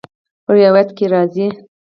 روايت کي راځي :